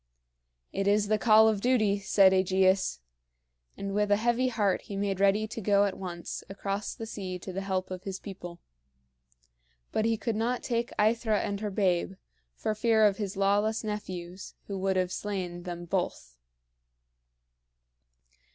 "It is the call of duty," said AEgeus; and with a heavy heart he made ready to go at once across the sea to the help of his people. But he could not take AEthra and her babe, for fear of his lawless nephews, who would have slain them both.